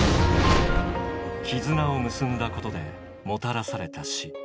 絆を結んだことでもたらされた死。